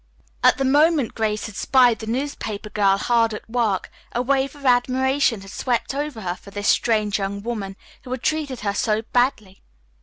At the moment Grace had spied the newspaper girl hard at work a wave of admiration had swept over her for this strange young woman who had treated her so badly.